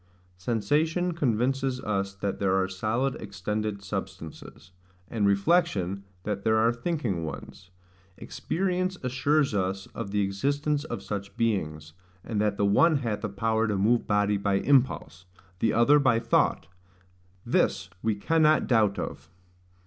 Sensation convinces us that there are solid extended substances; and reflection, that there are thinking ones: experience assures us of the existence of such beings, and that the one hath a power to move body by impulse, the other by thought; this we cannot doubt of.